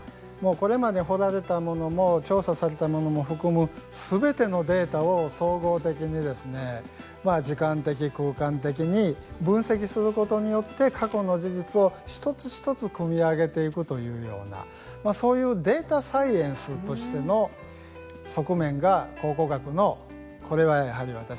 これまで掘られたものも調査されたものも含むすべてのデータを総合的に時間的、空間的に分析することによって過去の事実を一つ一つくみ上げていくというようなデータサイエンスとしての側面が考古学の、これは私は本質だと思いますので。